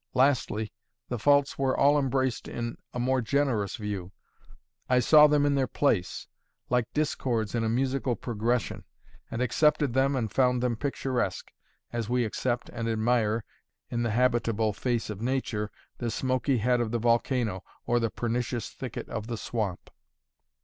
Lastly, the faults were all embraced in a more generous view: I saw them in their place, like discords in a musical progression; and accepted them and found them picturesque, as we accept and admire, in the habitable face of nature, the smoky head of the volcano or the pernicious thicket of the swamp.